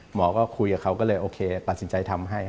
หมอก็คุยกับเขาก็เลยโอเคตัดสินใจทำให้